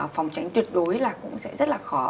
phòng tránh tuyệt đối là cũng sẽ rất là khó